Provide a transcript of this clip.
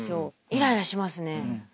イライラしますね。